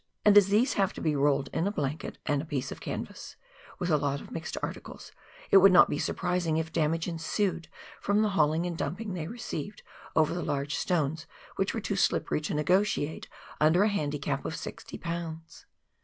And as these liave to be rolled in a blanket and piece of canvas, with a lot of mixed articles, it would not be surprising if damage ensued from the hauling and dumping they received over the large stones which were too slippery to negotiate under a handicap of 60 lbs.